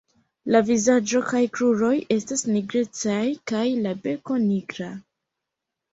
La vizaĝo kaj kruroj estas nigrecaj kaj la beko nigra.